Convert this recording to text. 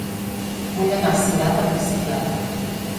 Vull anar a Cirat amb bicicleta.